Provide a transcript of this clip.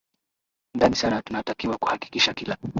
ndani sana tunatakiwa kuhakikisha kila